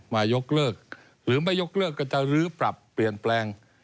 ยกเลิกหรือไม่ยกเลิกก็จะลื้อปรับเปลี่ยนแปลง